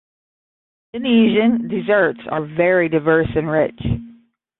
Indonesian desserts are very diverse and rich.